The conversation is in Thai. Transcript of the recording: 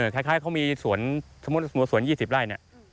คล้ายเขามีสวนสมมุติหมดโสวน๒๐ไร่